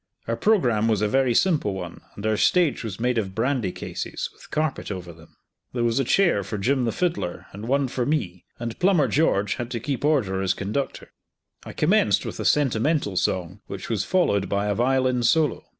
Our programme was a very simple one, and our stage was made of brandy cases, with carpet over them. There was a chair for Jim the Fiddler, and one for me, and Plumber George had to keep order as conductor. I commenced with a sentimental song, which was followed by a violin solo.